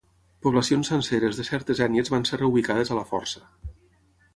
Poblacions senceres de certes ètnies van ser reubicades a la força.